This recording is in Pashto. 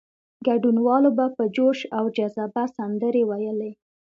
ګډونوالو به په جوش او جذبه سندرې ویلې.